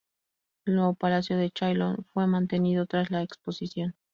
El nuevo Palacio de Chaillot fue mantenido tras la exposición.